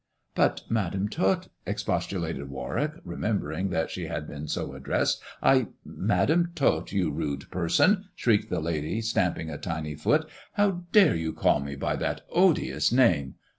" But, Madam Tot," expostulated Warwick, remembering that she had been so addressed, " I "" Madam Tot, you rude person," shrieked the lady, stamping a tiny foot, "how dare you call me by that odious name